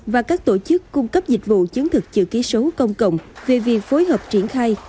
và các tổ chức cung cấp dịch vụ chứng thực chữ ký số công cộng về việc phối hợp triển khai